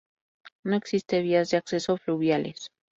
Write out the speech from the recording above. No existe vías de acceso fluviales.